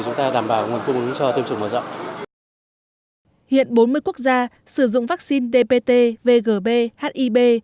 chúng ta đảm bảo nguồn cung cho tiêm chủng mở rộng hiện bốn mươi quốc gia sử dụng vaccine dpt vgb hib